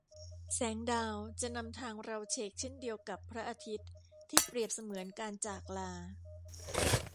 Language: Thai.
แสงดาวจะนำทางเราเฉกเช่นเดียวกับพระอาทิตย์ที่เปรียบเสมือนการจากลา